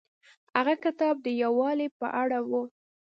هغه کتاب د یووالي په اړه و.